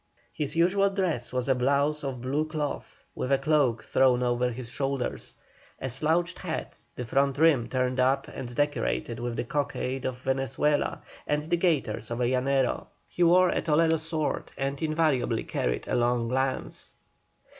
His usual dress was a blouse of blue cloth, with a cloak thrown over his shoulders; a slouched hat, the front rim turned up and decorated with the cockade of Venezuela; and the gaiters of a Llanero. He wore a Toledo sword, and invariably carried a long lance.